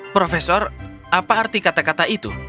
profesor apa arti kata kata itu